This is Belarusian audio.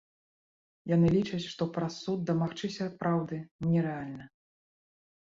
Яны лічаць, што праз суд дамагчыся праўды нерэальна.